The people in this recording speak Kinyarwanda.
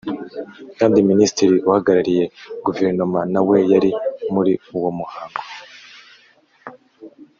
kandi Minisitiri uhagarariye Guverinoma nawe yari muri uwo muhango